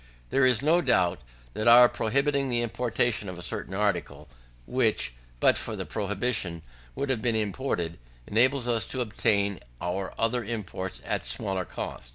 There is no doubt that our prohibiting the importation of a particular article, which, but for the prohibition, would have been imported, enables us to obtain our other imports at smaller cost.